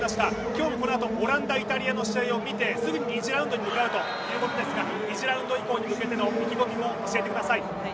今日もこのあとオランダ×イタリアを見てすぐに２次ラウンドに向かうということですが２次ラウンド以降に向けての意気込みも教えてください。